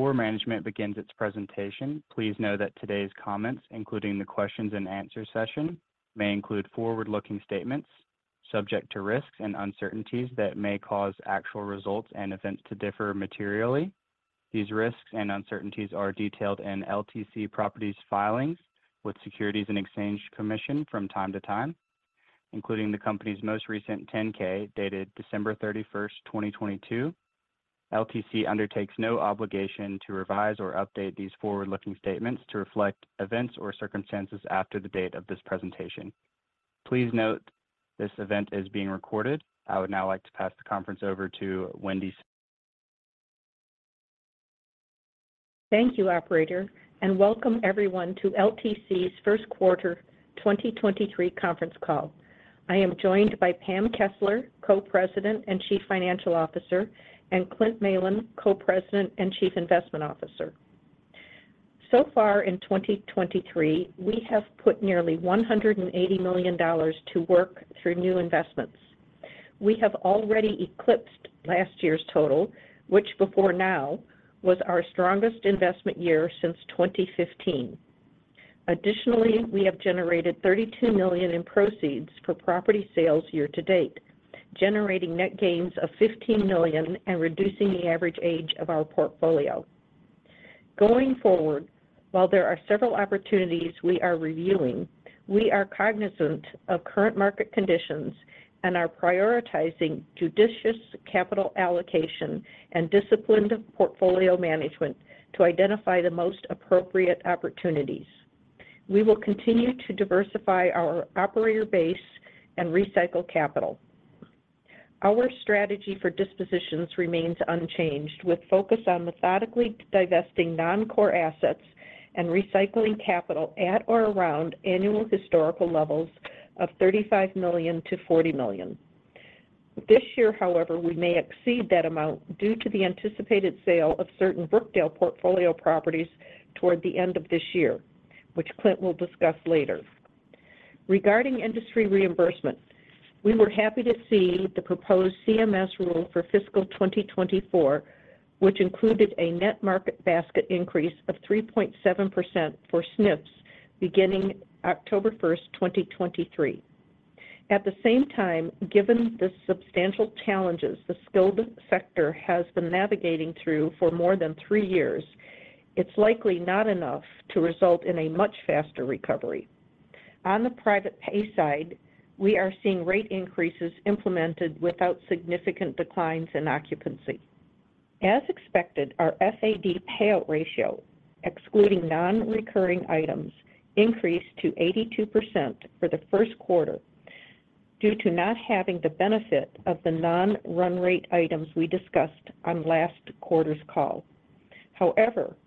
Before management begins its presentation, please know that today's comments, including the questions and answer session, may include forward-looking statements subject to risks and uncertainties that may cause actual results and events to differ materially. These risks and uncertainties are detailed in LTC Properties' filings with Securities and Exchange Commission from time to time, including the company's most recent 10-K dated December 31, 2022. LTC undertakes no obligation to revise or update these forward-looking statements to reflect events or circumstances after the date of this presentation. Please note this event is being recorded. I would now like to pass the conference over to Wendy. Thank you, operator, welcome everyone to LTC's first quarter 2023 conference call. I am joined by Pam Kessler, Co-President and Chief Financial Officer, and Clint Malin, Co-President and Chief Investment Officer. Far in 2023, we have put nearly $180 million to work through new investments. We have already eclipsed last year's total, which before now was our strongest investment year since 2015. Additionally, we have generated $32 million in proceeds for property sales year to date, generating net gains of $15 million and reducing the average age of our portfolio. Going forward, while there are several opportunities we are reviewing, we are cognizant of current market conditions and are prioritizing judicious capital allocation and disciplined portfolio management to identify the most appropriate opportunities. We will continue to diversify our operator base and recycle capital. Our strategy for dispositions remains unchanged, with focus on methodically divesting non-core assets and recycling capital at or around annual historical levels of $35 million-$40 million. This year, however, we may exceed that amount due to the anticipated sale of certain Brookdale portfolio properties toward the end of this year, which Clint will discuss later. Regarding industry reimbursement, we were happy to see the proposed CMS rule for fiscal 2024, which included a net market basket increase of 3.7% for SNFs beginning October 1, 2023. At the same time, given the substantial challenges the skilled sector has been navigating through for more than 3 years, it's likely not enough to result in a much faster recovery. On the private pay side, we are seeing rate increases implemented without significant declines in occupancy. As expected, our FAD payout ratio, excluding non-recurring items, increased to 82% for the first quarter due to not having the benefit of the non-run rate items we discussed on last quarter's call.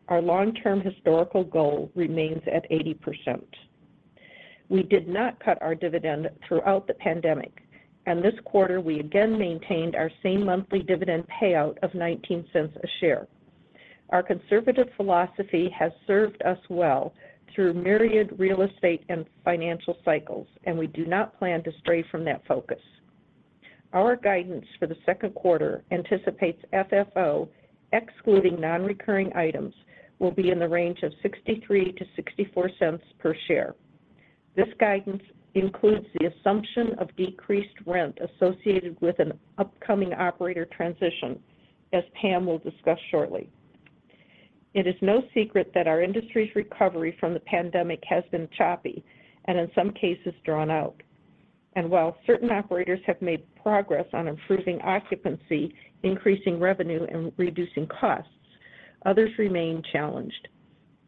Our long-term historical goal remains at 80%. We did not cut our dividend throughout the pandemic, and this quarter we again maintained our same monthly dividend payout of $0.19 a share. Our conservative philosophy has served us well through myriad real estate and financial cycles, and we do not plan to stray from that focus. Our guidance for the second quarter anticipates FFO, excluding non-recurring items, will be in the range of $0.63-$0.64 per share. This guidance includes the assumption of decreased rent associated with an upcoming operator transition, as Pam will discuss shortly. It is no secret that our industry's recovery from the pandemic has been choppy and in some cases drawn out. While certain operators have made progress on improving occupancy, increasing revenue, and reducing costs, others remain challenged.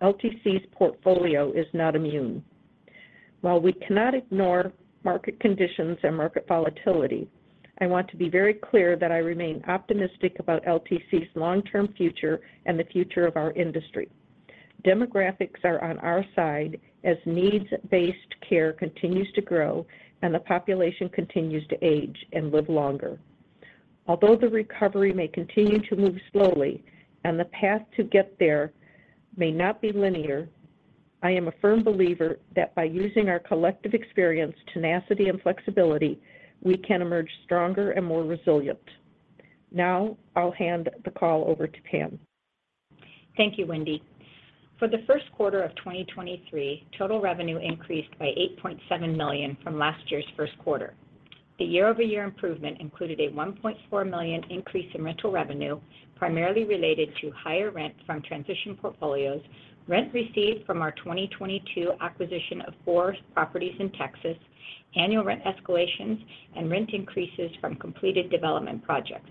LTC's portfolio is not immune. While we cannot ignore market conditions and market volatility, I want to be very clear that I remain optimistic about LTC's long-term future and the future of our industry. Demographics are on our side as needs-based care continues to grow and the population continues to age and live longer. Although the recovery may continue to move slowly and the path to get there may not be linear, I am a firm believer that by using our collective experience, tenacity, and flexibility, we can emerge stronger and more resilient. Now, I'll hand the call over to Pam. Thank you, Wendy. For the first quarter of 2023, total revenue increased by $8.7 million from last year's first quarter. The year-over-year improvement included a $1.4 million increase in rental revenue, primarily related to higher rent from transition portfolios, rent received from our 2022 acquisition of 4 properties in Texas, annual rent escalations, and rent increases from completed development projects.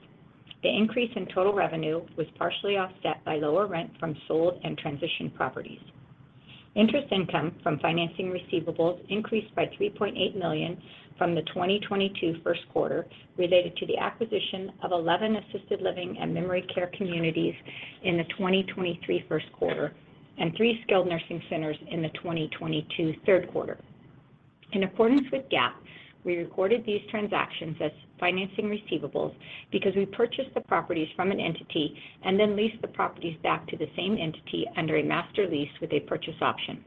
The increase in total revenue was partially offset by lower rent from sold and transitioned properties. Interest income from financing receivables increased by $3.8 million from the 2022 first quarter related to the acquisition of 11 assisted living and memory care communities in the 2023 first quarter and 3 skilled nursing centers in the 2022 third quarter. In accordance with GAAP, we recorded these transactions as financing receivables because we purchased the properties from an entity and then leased the properties back to the same entity under a master lease with a purchase option.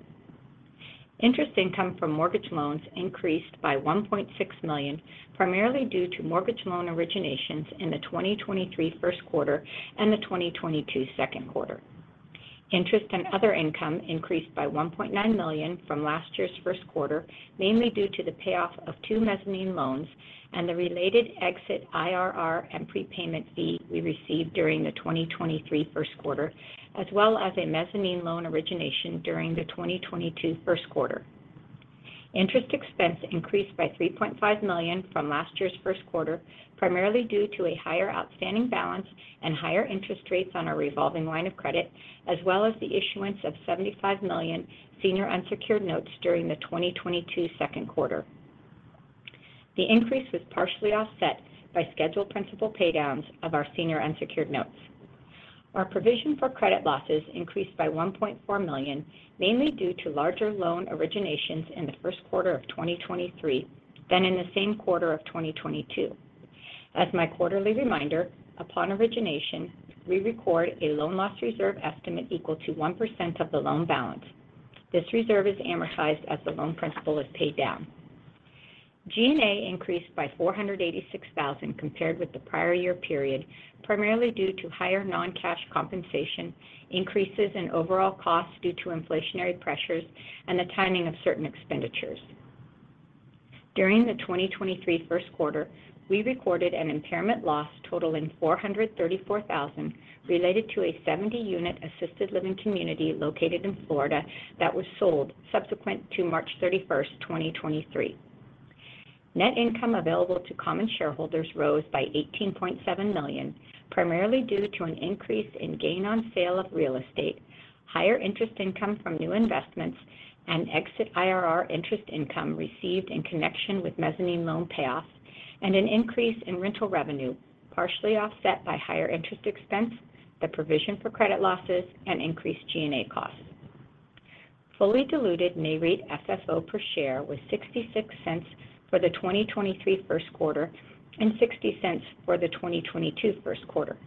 Interest income from mortgage loans increased by $1.6 million, primarily due to mortgage loan originations in the 2023 first quarter and the 2022 second quarter. Interest and other income increased by $1.9 million from last year's first quarter, mainly due to the payoff of two mezzanine loans and the related exit IRR and prepayment fee we received during the 2023 first quarter, as well as a mezzanine loan origination during the 2022 first quarter. Interest expense increased by $3.5 million from last year's first quarter, primarily due to a higher outstanding balance and higher interest rates on our revolving line of credit, as well as the issuance of $75 million senior unsecured notes during the 2022 second quarter. The increase was partially offset by scheduled principal paydowns of our senior unsecured notes. Our provision for credit losses increased by $1.4 million, mainly due to larger loan originations in the first quarter of 2023 than in the same quarter of 2022. As my quarterly reminder, upon origination, we record a loan loss reserve estimate equal to 1% of the loan balance. This reserve is amortized as the loan principal is paid down. G&A increased by $486,000 compared with the prior year period, primarily due to higher non-cash compensation, increases in overall costs due to inflationary pressures, and the timing of certain expenditures. During the 2023 first quarter, we recorded an impairment loss totaling $434,000 related to a 70 unit assisted living community located in Florida that was sold subsequent to March 31, 2023. Net income available to common shareholders rose by $18.7 million, primarily due to an increase in gain on sale of real estate, higher interest income from new investments and exit IRR interest income received in connection with mezzanine loan payoffs, and an increase in rental revenue, partially offset by higher interest expense, the provision for credit losses, and increased G&A costs. Fully diluted NAREIT FFO per share was $0.66 for the 2023 first quarter and $0.60 for the 2022 first quarter.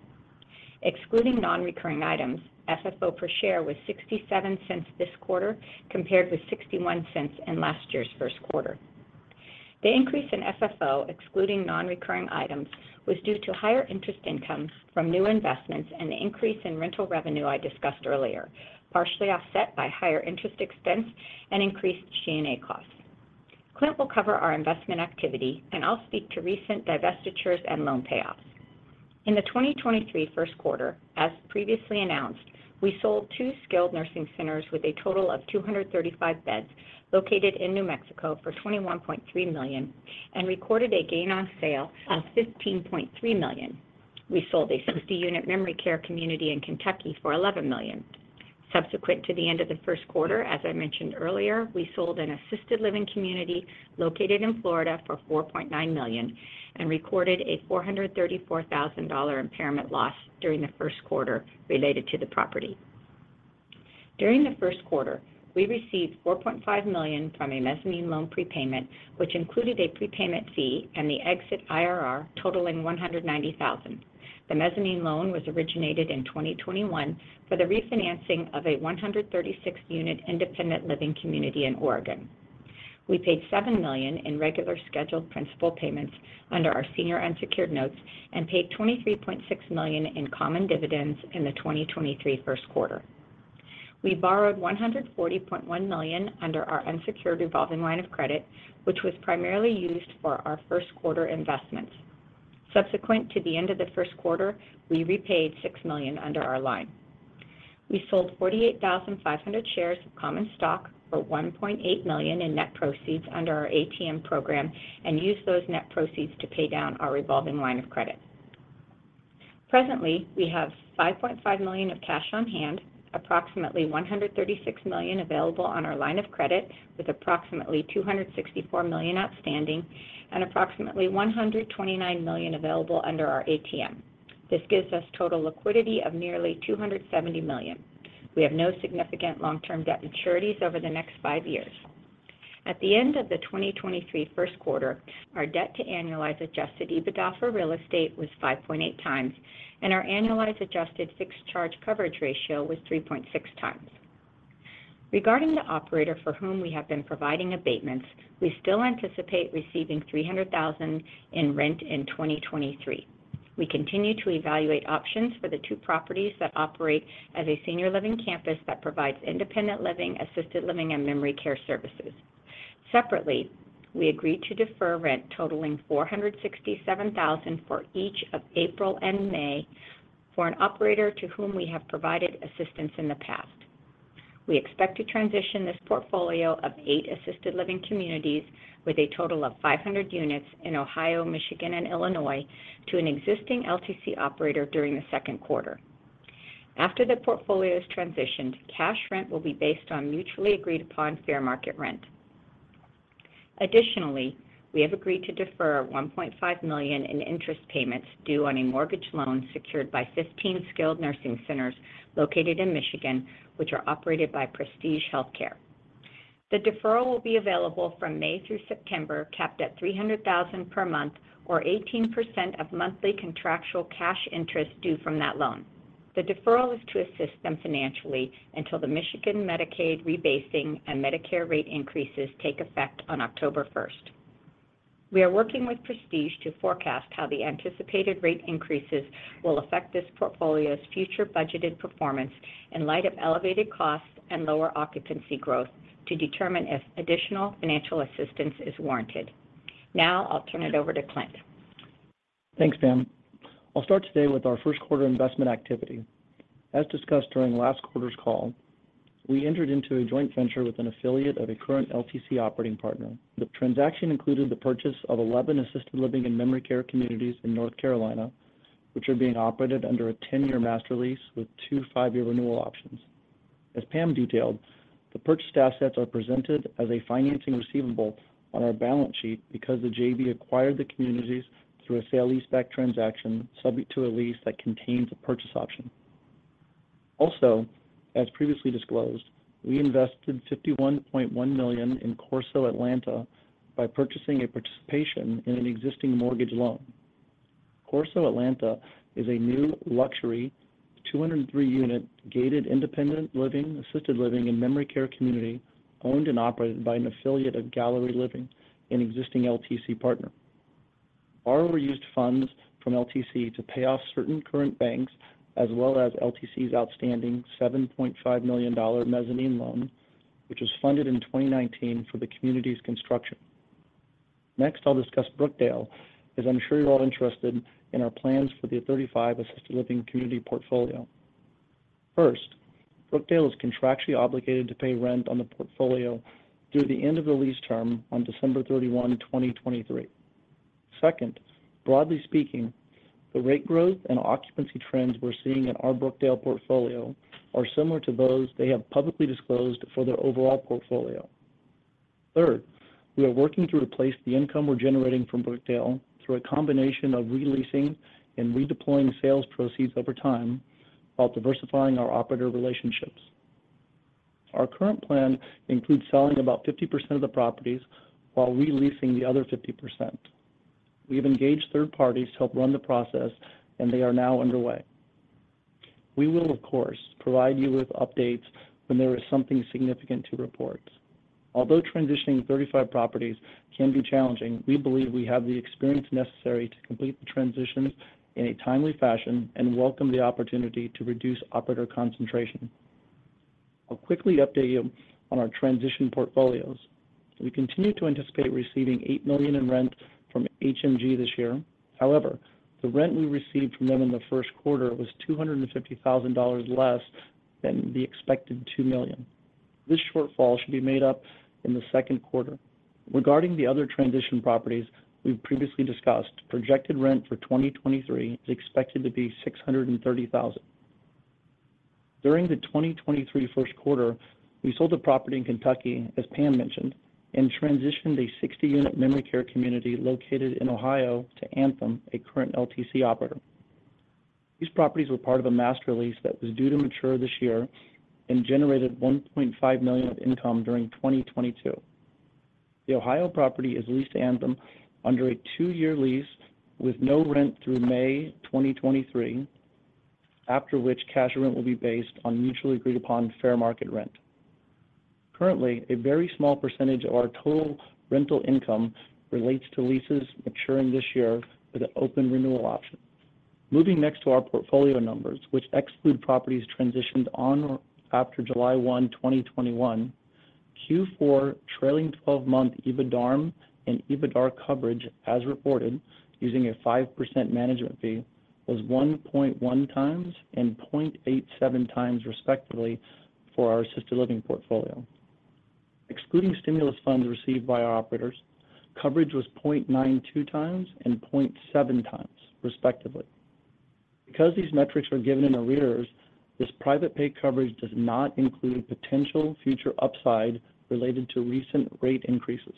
Excluding non-recurring items, FFO per share was $0.67 this quarter, compared with $0.61 in last year's first quarter. The increase in FFO, excluding non-recurring items, was due to higher interest income from new investments and the increase in rental revenue I discussed earlier, partially offset by higher interest expense and increased G&A costs. Clint will cover our investment activity, and I'll speak to recent divestitures and loan payoffs. In the 2023 first quarter, as previously announced, we sold 2 skilled nursing centers with a total of 235 beds located in New Mexico for $21.3 million and recorded a gain on sale of $15.3 million. We sold a 60 unit memory care community in Kentucky for $11 million. Subsequent to the end of the first quarter, as I mentioned earlier, we sold an assisted living community located in Florida for $4.9 million and recorded a $434,000 impairment loss during the first quarter related to the property. During the first quarter, we received $4.5 million from a mezzanine loan prepayment, which included a prepayment fee and the exit IRR totaling $190,000. The mezzanine loan was originated in 2021 for the refinancing of a 136-unit independent living community in Oregon. We paid $7 million in regular scheduled principal payments under our senior unsecured notes and paid $23.6 million in common dividends in the 2023 first quarter. We borrowed $140.1 million under our unsecured revolving line of credit, which was primarily used for our first quarter investments. Subsequent to the end of the first quarter, we repaid $6 million under our line. We sold 48,500 shares of common stock for $1.8 million in net proceeds under our ATM program and used those net proceeds to pay down our revolving line of credit. Presently, we have $5.5 million of cash on hand, approximately $136 million available on our line of credit, with approximately $264 million outstanding, and approximately $129 million available under our ATM. This gives us total liquidity of nearly $270 million. We have no significant long-term debt maturities over the next five years. At the end of the 2023 first quarter, our debt to annualized adjusted EBITDA for real estate was 5.8 times, and our annualized adjusted fixed charge coverage ratio was 3.6 times. Regarding the operator for whom we have been providing abatements, we still anticipate receiving $300,000 in rent in 2023. We continue to evaluate options for the two properties that operate as a senior living campus that provides independent living, assisted living, and memory care services. Separately, we agreed to defer rent totaling $467,000 for each of April and May for an operator to whom we have provided assistance in the past. We expect to transition this portfolio of eight assisted living communities with a total of 500 units in Ohio, Michigan, and Illinois to an existing LTC operator during the second quarter. After the portfolio is transitioned, cash rent will be based on mutually agreed upon fair market rent. Additionally, we have agreed to defer $1.5 million in interest payments due on a mortgage loan secured by 15 skilled nursing centers located in Michigan, which are operated by Prestige Healthcare. The deferral will be available from May through September, capped at $300,000 per month, or 18% of monthly contractual cash interest due from that loan. The deferral is to assist them financially until the Michigan Medicaid rebasing and Medicare rate increases take effect on October 1st. We are working with Prestige to forecast how the anticipated rate increases will affect this portfolio's future budgeted performance in light of elevated costs and lower occupancy growth to determine if additional financial assistance is warranted. Now I'll turn it over to Clint. Thanks, Pam. I'll start today with our first quarter investment activity. As discussed during last quarter's call, we entered into a joint venture with an affiliate of a current LTC operating partner. The transaction included the purchase of 11 assisted living and memory care communities in North Carolina, which are being operated under a 10-year master lease with two 5-year renewal options. As Pam detailed, the purchased assets are presented as a financing receivable on our balance sheet because the JV acquired the communities through a sale leaseback transaction subject to a lease that contains a purchase option. Also, as previously disclosed, we invested $51.1 million in Corso Atlanta by purchasing a participation in an existing mortgage loan. Corso Atlanta is a new luxury 203-unit gated independent living, assisted living, and memory care community owned and operated by an affiliate of Galerie Living, an existing LTC partner. RRE used funds from LTC to pay off certain current banks as well as LTC's outstanding $7.5 million mezzanine loan, which was funded in 2019 for the community's construction. I'll discuss Brookdale, as I'm sure you're all interested in our plans for the 35 assisted living community portfolio. Brookdale is contractually obligated to pay rent on the portfolio through the end of the lease term on December 31, 2023. Broadly speaking, the rate growth and occupancy trends we're seeing in our Brookdale portfolio are similar to those they have publicly disclosed for their overall portfolio. Third, we are working to replace the income we're generating from Brookdale through a combination of re-leasing and redeploying sales proceeds over time while diversifying our operator relationships. Our current plan includes selling about 50% of the properties while re-leasing the other 50%. We have engaged third parties to help run the process, and they are now underway. We will, of course, provide you with updates when there is something significant to report. Transitioning 35 properties can be challenging, we believe we have the experience necessary to complete the transitions in a timely fashion and welcome the opportunity to reduce operator concentration. I'll quickly update you on our transition portfolios. We continue to anticipate receiving $8 million in rent from HMG this year. However, the rent we received from them in the first quarter was $250,000 less than the expected $2 million. This shortfall should be made up in the second quarter. Regarding the other transition properties we've previously discussed, projected rent for 2023 is expected to be $630,000. During the 2023 first quarter, we sold a property in Kentucky, as Pam mentioned, and transitioned a 60-unit memory care community located in Ohio to Anthem, a current LTC operator. These properties were part of a master lease that was due to mature this year and generated $1.5 million of income during 2022. The Ohio property is leased to Anthem under a 2-year lease with no rent through May 2023, after which cash rent will be based on mutually agreed upon fair market rent. Currently, a very small percentage of our total rental income relates to leases maturing this year with an open renewal option. Moving next to our portfolio numbers, which exclude properties transitioned on or after July 1, 2021, Q4 trailing twelve-month EBITDARM and EBITDAR coverage as reported using a 5% management fee was 1.1 times and 0.87 times, respectively, for our assisted living portfolio. Excluding stimulus funds received by our operators, coverage was 0.92 times and 0.7 times, respectively. Because these metrics are given in arrears, this private pay coverage does not include potential future upside related to recent rate increases.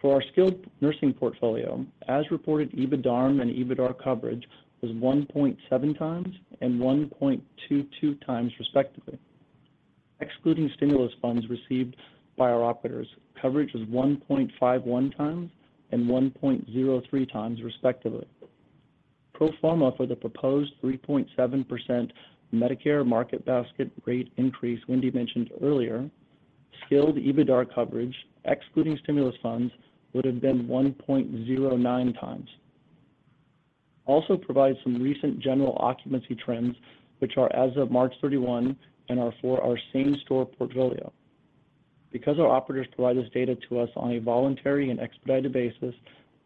For our skilled nursing portfolio, as reported, EBITDARM and EBITDAR coverage was 1.7 times and 1.22 times, respectively. Excluding stimulus funds received by our operators, coverage was 1.51 times and 1.03 times, respectively. Pro forma for the proposed 3.7% Medicare market basket rate increase Wendy mentioned earlier, skilled EBITDAR coverage, excluding stimulus funds, would have been 1.09 times. Also provide some recent general occupancy trends which are as of March 31 and are for our same-store portfolio. Because our operators provide this data to us on a voluntary and expedited basis,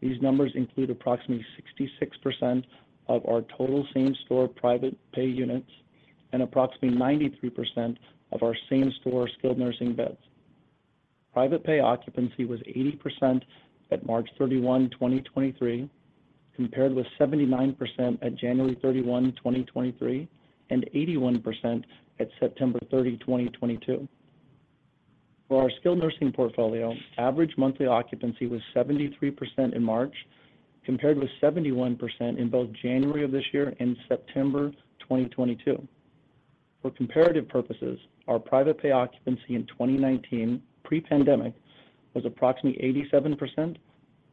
these numbers include approximately 66% of our total same-store private pay units and approximately 93% of our same-store skilled nursing beds. Private pay occupancy was 80% at March 31, 2023, compared with 79% at January 31, 2023, and 81% at September 30, 2022. For our skilled nursing portfolio, average monthly occupancy was 73% in March, compared with 71% in both January of this year and September 2022. For comparative purposes, our private pay occupancy in 2019 pre-pandemic was approximately 87%,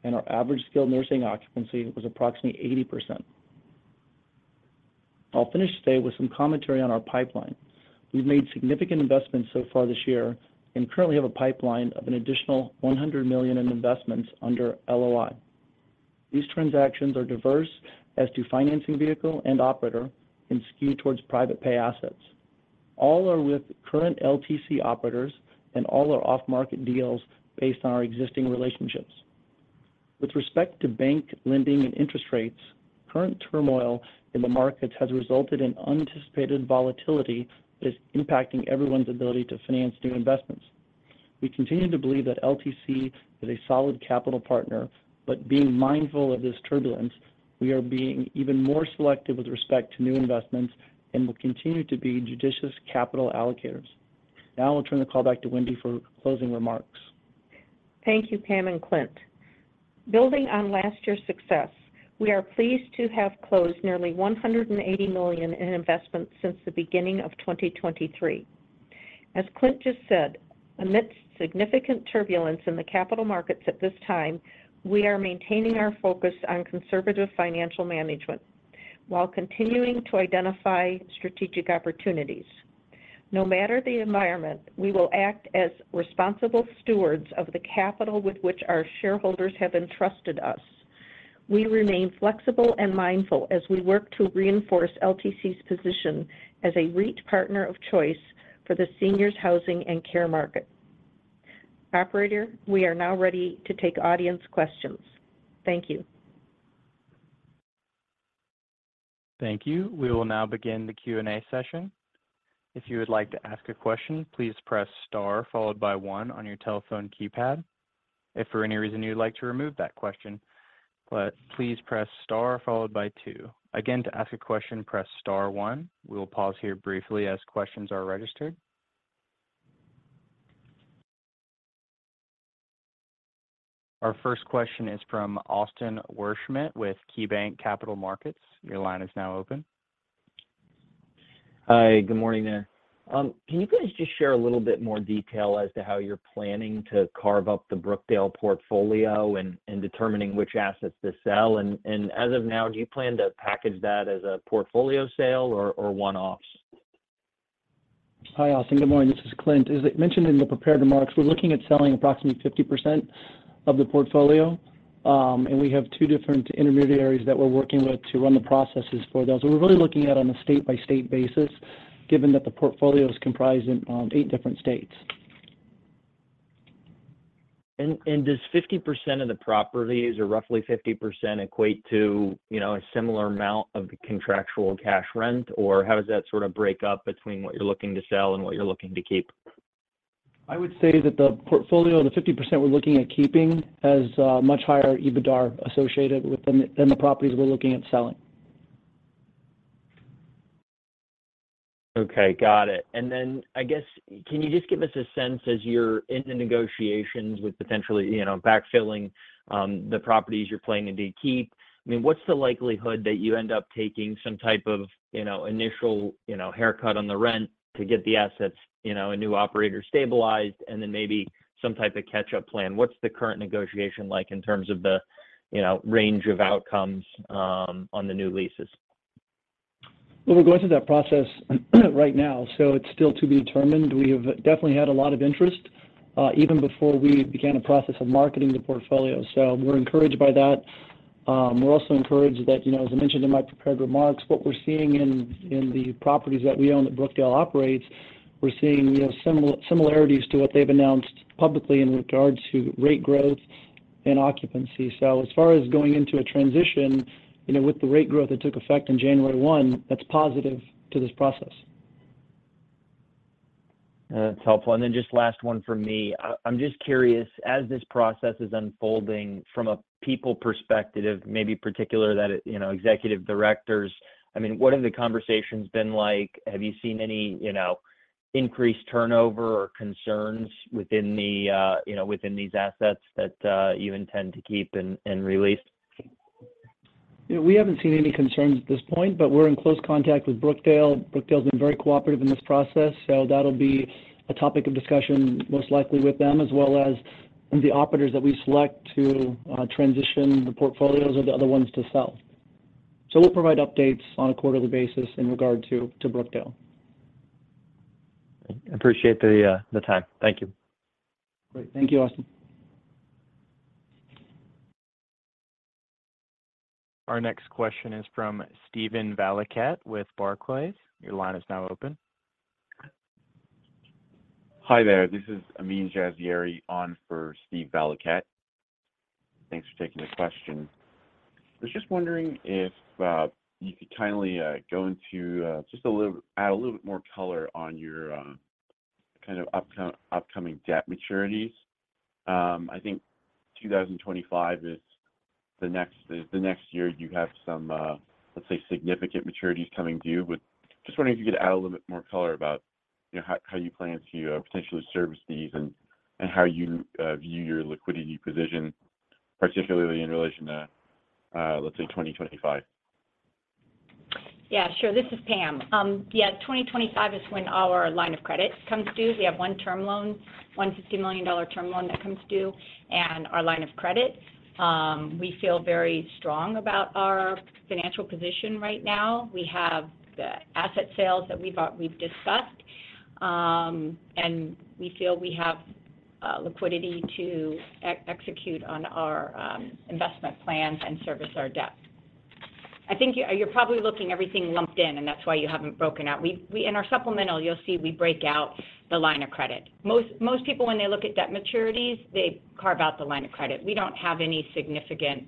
and our average skilled nursing occupancy was approximately 80%. I'll finish today with some commentary on our pipeline. We've made significant investments so far this year and currently have a pipeline of an additional $100 million in investments under LOI. These transactions are diverse as to financing vehicle and operator and skewed towards private pay assets. All are with current LTC operators, and all are off-market deals based on our existing relationships. With respect to bank lending and interest rates, current turmoil in the markets has resulted in unanticipated volatility that is impacting everyone's ability to finance new investments. We continue to believe that LTC is a solid capital partner, but being mindful of this turbulence, we are being even more selective with respect to new investments and will continue to be judicious capital allocators. Now I'll turn the call back to Wendy for closing remarks. Thank you, Pam and Clint. Building on last year's success, we are pleased to have closed nearly $180 million in investments since the beginning of 2023. As Clint just said, amidst significant turbulence in the capital markets at this time, we are maintaining our focus on conservative financial management while continuing to identify strategic opportunities. No matter the environment, we will act as responsible stewards of the capital with which our shareholders have entrusted us. We remain flexible and mindful as we work to reinforce LTC's position as a REIT partner of choice for the seniors housing and care market. Operator, we are now ready to take audience questions. Thank you. Thank you. We will now begin the Q&A session. If you would like to ask a question, please press Star followed by one on your telephone keypad. If for any reason you would like to remove that question, please press Star followed by two. Again, to ask a question, press Star one. We will pause here briefly as questions are registered. Our first question is from Austin Wurschmidt with KeyBanc Capital Markets. Your line is now open. Hi, good morning there. Can you guys just share a little bit more detail as to how you're planning to carve up the Brookdale portfolio in determining which assets to sell? As of now, do you plan to package that as a portfolio sale or one-offs? Hi, Austin. Good morning. This is Clint. As I mentioned in the prepared remarks, we're looking at selling approximately 50% of the portfolio. We have 2 different intermediaries that we're working with to run the processes for those. We're really looking at on a state-by-state basis, given that the portfolio is comprised in 8 different states. Does 50% of the properties, or roughly 50% equate to, you know, a similar amount of contractual cash rent? Or how does that sort of break up between what you're looking to sell and what you're looking to keep? I would say that the portfolio, the 50% we're looking at keeping has much higher EBITDAR associated with them than the properties we're looking at selling. Okay. Got it. Then I guess, can you just give us a sense as you're in the negotiations with potentially, you know, backfilling, the properties you're planning to keep, I mean, what's the likelihood that you end up taking some type of, you know, initial, you know, haircut on the rent to get the assets, you know, a new operator stabilized and then maybe some type of catch-up plan? What's the current negotiation like in terms of the, you know, range of outcomes, on the new leases? Well, we're going through that process right now, so it's still to be determined. We have definitely had a lot of interest, even before we began the process of marketing the portfolio. We're also encouraged that, you know, as I mentioned in my prepared remarks, what we're seeing in the properties that we own that Brookdale operates, we're seeing, you know, similarities to what they've announced publicly in regards to rate growth and occupancy. As far as going into a transition, you know, with the rate growth that took effect on January 1, that's positive to this process. That's helpful. Then just last one from me. I'm just curious, as this process is unfolding from a people perspective, maybe particular that, you know, executive directors, I mean, what have the conversations been like? Have you seen any, you know, increased turnover or concerns within the, you know, within these assets that you intend to keep and release? We haven't seen any concerns at this point. We're in close contact with Brookdale. Brookdale has been very cooperative in this process. That'll be a topic of discussion, most likely with them, as well as the operators that we select to transition the portfolios of the other ones to sell. We'll provide updates on a quarterly basis in regard to Brookdale. Appreciate the time. Thank you. Great. Thank you, Austin. Our next question is from Steven Valiquette with Barclays. Your line is now open. Hi there. This is Amin Jasseri on for Steven Valiquette. Thanks for taking the question. I was just wondering if you could kindly add a little bit more color on your kind of upcoming debt maturities. I think 2025 is the next year you have some, let's say, significant maturities coming due. Just wondering if you could add a little bit more color about, you know, how you plan to potentially service these and how you view your liquidity position, particularly in relation to, let's say, 2025. Sure. This is Pam. 2025 is when our line of credit comes due. We have one term loan, one $150 million term loan that comes due and our line of credit. We feel very strong about our financial position right now. We have the asset sales that we've discussed, and we feel we have liquidity to execute on our investment plans and service our debt. I think you're probably looking everything lumped in and that's why you haven't broken out. We In our supplemental, you'll see we break out the line of credit. Most people, when they look at debt maturities, they carve out the line of credit. We don't have any significant,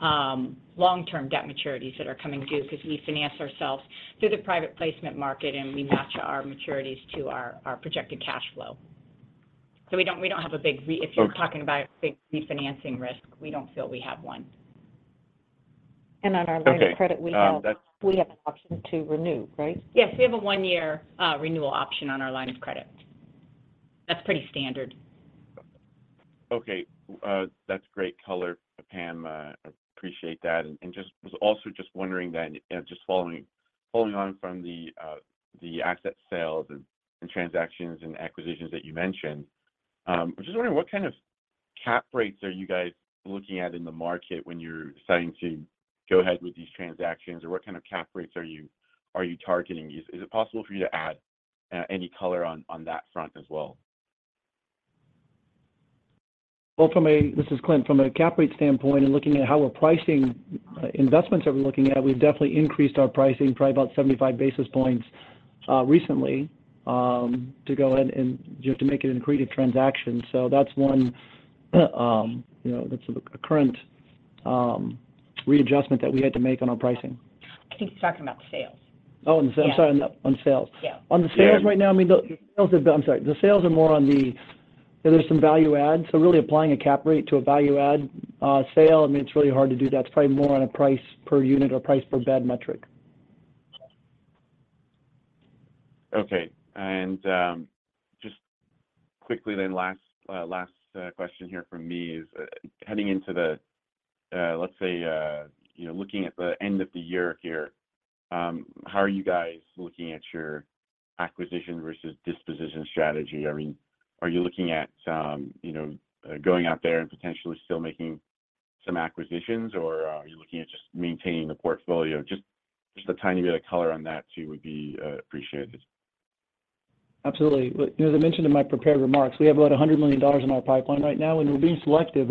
long-term debt maturities that are coming due 'cause we finance ourselves through the private placement market, and we match our maturities to our projected cash flow. We don't have a big re-. Okay. If you're talking about big refinancing risk, we don't feel we have one. on our line of credit. Okay. We have an option to renew, right? Yes. We have a one-year renewal option on our line of credit. That's pretty standard. Okay. That's great color, Pam. Appreciate that. Just was also just wondering then, you know, just following on from the asset sales and transactions and acquisitions that you mentioned. Was just wondering what kind of cap rates are you guys looking at in the market when you're deciding to go ahead with these transactions? Or what kind of cap rates are you, are you targeting? Is it possible for you to add any color on that front as well? This is Clint. From a cap rate standpoint and looking at how we're pricing, investments that we're looking at, we've definitely increased our pricing probably about 75 basis points, recently, to go ahead and just to make it an accretive transaction. That's one, you know, that's a current readjustment that we had to make on our pricing. I think he's talking about sales. Oh, in sales. Yeah. I'm sorry. On sales. Yeah. On the sales right now, I mean, the sales are more on the, you know, there's some value add, really applying a cap rate to a value add, sale, I mean, it's really hard to do that. It's probably more on a price per unit or price per bed metric. Okay. Just quickly then, last question here from me is, heading into the, let's say, you know, looking at the end of the year here, how are you guys looking at your acquisition versus disposition strategy? I mean, are you looking at, you know, going out there and potentially still making some acquisitions, or are you looking at just maintaining the portfolio? Just a tiny bit of color on that, too, would be appreciated. Absolutely. Look, you know, as I mentioned in my prepared remarks, we have about $100 million in our pipeline right now, and we're being selective.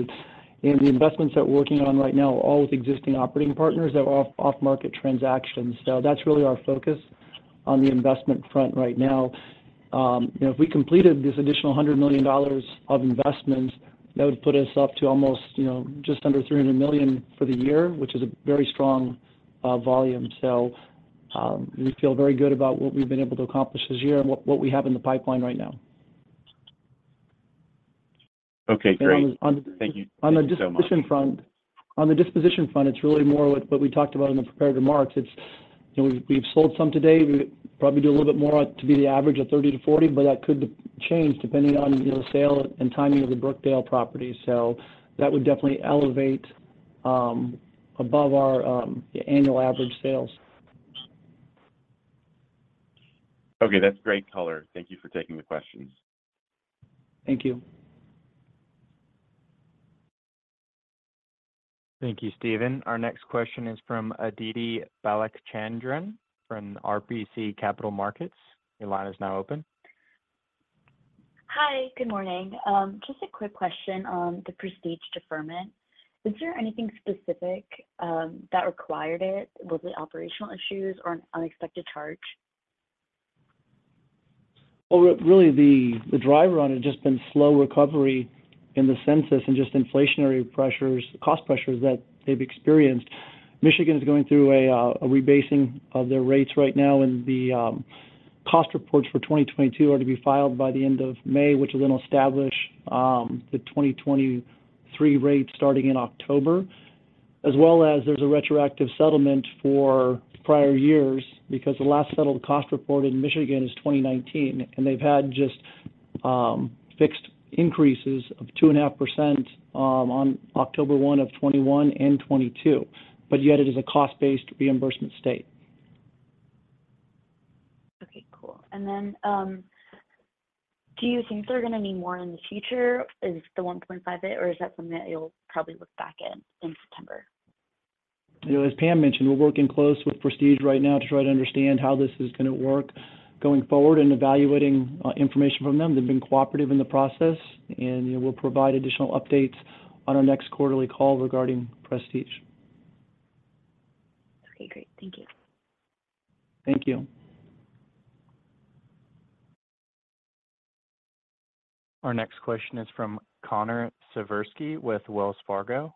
The investments that we're working on right now are all with existing operating partners that are off-market transactions. That's really our focus on the investment front right now. You know, if we completed this additional $100 million of investments, that would put us up to almost, you know, just under $300 million for the year, which is a very strong volume. We feel very good about what we've been able to accomplish this year and what we have in the pipeline right now. Okay. Great. And on the- Thank you. Thank you so much. On the disposition front, it's really more what we talked about in the prepared remarks. You know, we've sold some today. We probably do a little bit more to be the average of 30 to 40, but that could change depending on, you know, sale and timing of the Brookdale property. That would definitely elevate above our annual average sales. Okay. That's great color. Thank you for taking the questions. Thank you. Thank you, Steven. Our next question is from Aditi Balachandran from RBC Capital Markets. Your line is now open. Hi. Good morning. Just a quick question on the Prestige deferment. Is there anything specific that required it? Was it operational issues or an unexpected charge? Well, really the driver on it has just been slow recovery in the census and just inflationary pressures, cost pressures that they've experienced. Michigan is going through a rebasing of their rates right now, the cost reports for 2022 are to be filed by the end of May, which will then establish the 2023 rates starting in October. As well as there's a retroactive settlement for prior years because the last settled cost report in Michigan is 2019, and they've had just fixed increases of 2.5% on October 1 of '21 and '22. Yet it is a cost-based reimbursement state. Okay, cool. Do you think they're gonna need more in the future as the 1.5... or is that something that you'll probably look back at in September? You know, as Pam mentioned, we're working close with Prestige right now to try to understand how this is gonna work going forward and evaluating information from them. They've been cooperative in the process, and, you know, we'll provide additional updates on our next quarterly call regarding Prestige. Okay, great. Thank you. Thank you. Our next question is from Connor Siversky with Wells Fargo.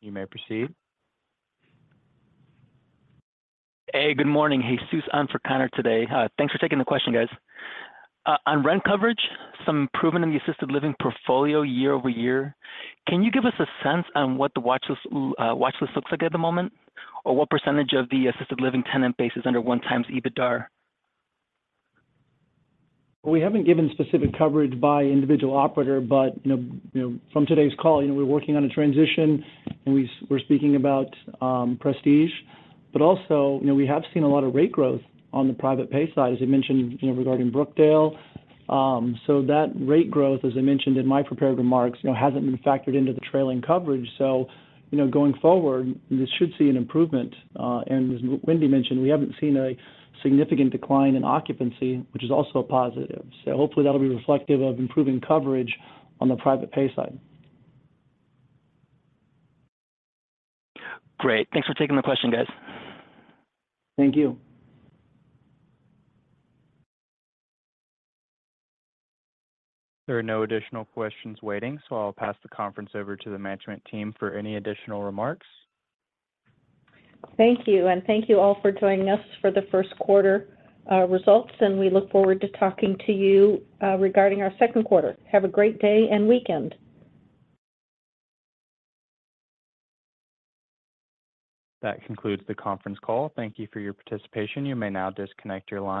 You may proceed. Hey, good morning. Hey, Suz, on for Conor today. Thanks for taking the question, guys. On rent coverage, some improvement in the assisted living portfolio year-over-year. Can you give us a sense on what the watchlist looks like at the moment, or what percentage of the assisted living tenant base is under 1 times EBITDA? We haven't given specific coverage by individual operator but, you know, from today's call, you know, we're working on a transition, and we're speaking about Prestige. Also, you know, we have seen a lot of rate growth on the private pay side, as I mentioned, you know, regarding Brookdale. That rate growth, as I mentioned in my prepared remarks, you know, hasn't been factored into the trailing coverage. You know, going forward, this should see an improvement. As Wendy mentioned, we haven't seen a significant decline in occupancy, which is also a positive. Hopefully that'll be reflective of improving coverage on the private pay side. Great. Thanks for taking the question, guys. Thank you. There are no additional questions waiting. I'll pass the conference over to the management team for any additional remarks. Thank you. Thank you all for joining us for the first quarter results, and we look forward to talking to you regarding our second quarter. Have a great day and weekend. That concludes the conference call. Thank you for your participation. You may now disconnect your line.